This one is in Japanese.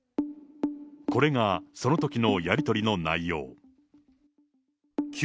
これがそのときのやり取りの内容。